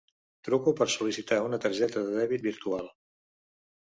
Truco per sol·licitar una tarja de dèbit virtual.